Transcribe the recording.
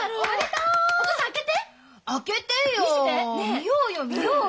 見ようよ見ようよ。